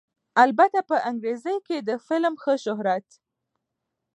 البته په انګرېزۍ کښې دې فلم ښۀ شهرت